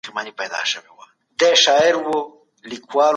څنګه د راتلونکي په اړه مثبت لیدلوری ولرو؟